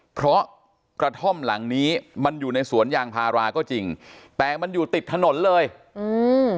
เพราะกระท่อมหลังนี้มันอยู่ในสวนยางพาราก็จริงแต่มันอยู่ติดถนนเลยอืม